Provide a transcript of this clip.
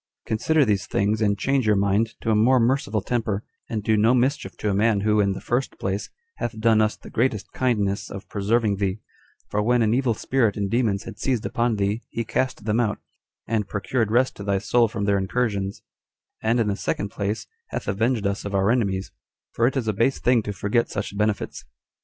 Consider these things, and change your mind to a more merciful temper, and do no mischief to a man, who, in the first place, hath done us the greatest kindness of preserving thee; for when an evil spirit and demons had seized upon thee, he cast them out, and procured rest to thy soul from their incursions: and, in the second place, hath avenged us of our enemies; for it is a base thing to forget such benefits."